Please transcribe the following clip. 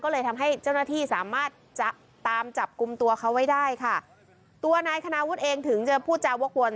ก็เลยทำให้เจ้าหน้าที่สามารถจะตามจับกลุ่มตัวเขาไว้ได้ค่ะตัวนายคณาวุฒิเองถึงจะพูดจาวกวน